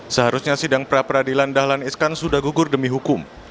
seharusnya sidang pra peradilan dahlan iskan sudah gugur demi hukum